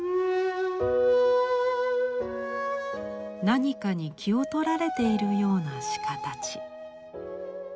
何かに気を取られているような鹿たち。